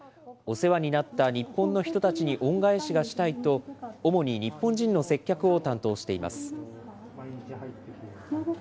お世話になった日本の人たちに恩返しがしたいと、主に日本人の接客を担当しています。